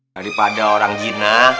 daripada orang jina